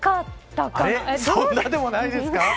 そうでもないですか。